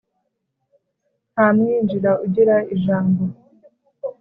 Nta mwinjira ugira ijambo.